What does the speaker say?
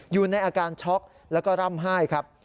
อยู่ในอาการช็อกแล้วก็ร่ำไห้ครับ